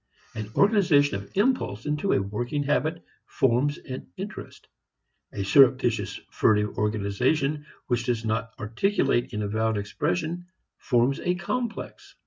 An organization of impulse into a working habit forms an interest. A surreptitious furtive organization which does not articulate in avowed expression forms a "complex."